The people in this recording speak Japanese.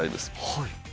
はい。